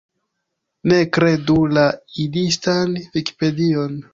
Ne kredu la Idistan Vikipedion!